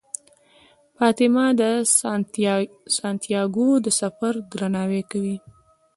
فاطمه د سانتیاګو د سفر درناوی کوي.